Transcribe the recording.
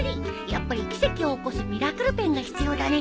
やっぱり奇跡を起こすミラクルペンが必要だね。